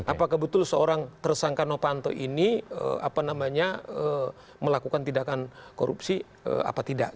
apakah betul seorang tersangka novanto ini apa namanya melakukan tindakan korupsi apa tidak